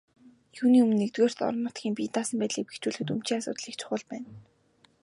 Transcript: Юуны өмнө, нэгдүгээрт, орон нутгийн бие даасан байдлыг бэхжүүлэхэд өмчийн асуудал их чухал байна.